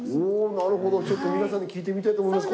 なるほどちょっと皆さんに聞いてみたいと思います。